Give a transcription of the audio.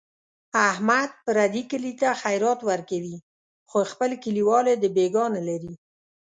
احمد پردي کلي ته خیرات ورکوي، خو خپل کلیوال یې دبیګاه نه لري.